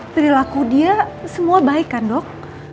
perilaku dia semua baik kan dok